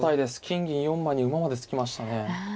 金銀４枚に馬までつきましたね。